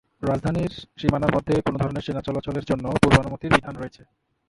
রাজধানীর সীমানার মধ্যে কোনো ধরনের সেনা চলাচলের জন্য পূর্বানুমতির বিধান রয়েছে।